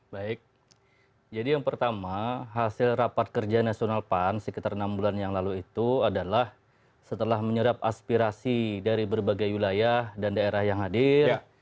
baik jadi yang pertama hasil rapat kerja nasional pan sekitar enam bulan yang lalu itu adalah setelah menyerap aspirasi dari berbagai wilayah dan daerah yang hadir